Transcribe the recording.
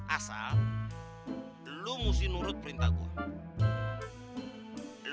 asal dulu mesti nurut perintah gue